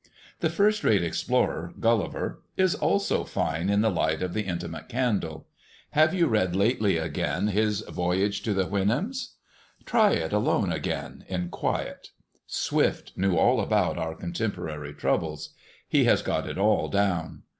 That first rate explorer, Gulliver, is also fine in the light of the intimate candle. Have you read lately again his Voyage to the Houyhnhnms? Try it alone again in quiet. Swift knew all about our contemporary troubles. He has got it all down.